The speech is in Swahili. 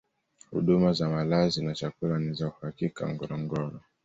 huduma za malazi na chakula ni za uhakika ngorongoro